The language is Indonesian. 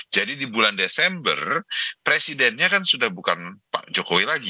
jadi di bulan desember presidennya kan sudah bukan pak jokowi lagi